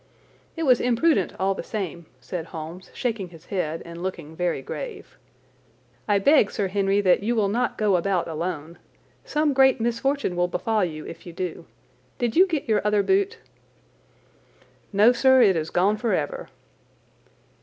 "It was imprudent, all the same," said Holmes, shaking his head and looking very grave. "I beg, Sir Henry, that you will not go about alone. Some great misfortune will befall you if you do. Did you get your other boot?" "No, sir, it is gone forever."